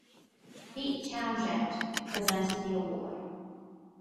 Pete Townshend presented the award.